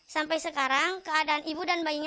sampai sekarang keadaan ibu dan bayinya